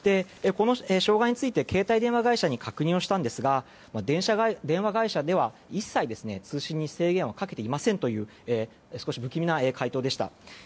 この障害について携帯電話会社に確認したんですが電話会社では一切通信に制限はかけていませんという少し不気味な回答でした。